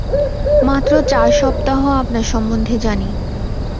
মাত্র চার সপ্তাহ আপনার সম্বন্ধে জানি।